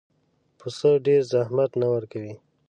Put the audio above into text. پسه ډېر زحمت نه ورکوي.